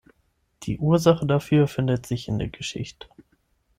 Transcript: Die Ursache dafür findet sich in der Geschichte.